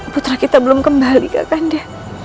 putra kita belum kembali kakanda